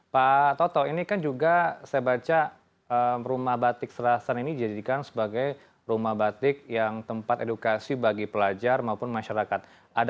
pak toto ini kan juga saya baca rumah batik selasan ini dijadikan sebagai rumah batik yang tempat edukasi bagi pelajar maupun masyarakat